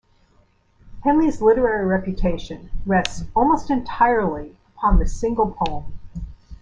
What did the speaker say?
Henley's literary reputation rests almost entirely upon this single poem.